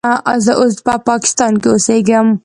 زه اوس په پاکستان کې اوسیږم.